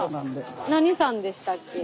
何さんでしたっけ？